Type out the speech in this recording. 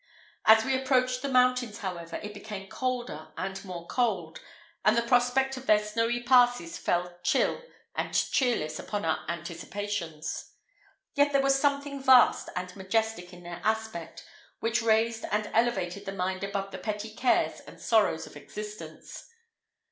As we approached the mountains, however, it became colder and more cold, and the prospect of their snowy passes fell chill and cheerless upon our anticipations. Yet there was something vast and majestic in their aspect, which raised and elevated the mind above the petty cares and sorrows of existence.